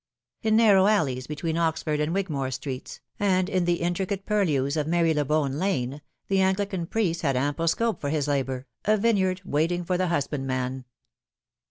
In narrow alleys between Oxford and Wigmore Streets, and in the intricate purlieus of Marylebone Lane, the Anglican priest had ample scope for his labour, a vineyard waiting for the husbandman.